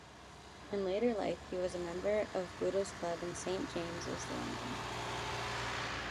In later life he was a member of Boodle's club in Saint James's, London.